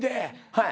はい。